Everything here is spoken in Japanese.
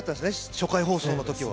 初回放送のときは。